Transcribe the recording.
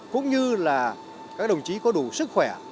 cũng như là các đồng chí có đủ sức khỏe